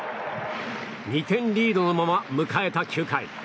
２点リードのまま、迎えた９回。